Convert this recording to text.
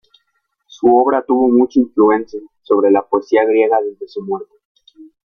Su obra tuvo mucha influencia sobre la poesía griega desde su muerte.